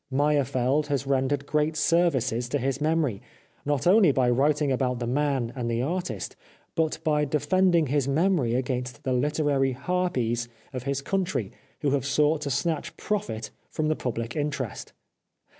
Meyerfeld has rendered great services to his memory, not only by writing about the man and the artist, but by defending his memory against the literary harpies of his country who have sought to snatch profit from the public interest.